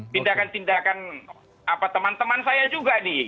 tindakan tindakan teman teman saya juga nih